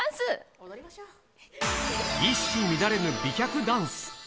一糸乱れぬ美脚ダンス。